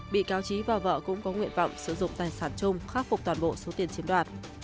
bị cáo trí và vợ cũng có nguyện vọng sử dụng tài sản chung khắc phục toàn bộ số tiền chiếm đoạt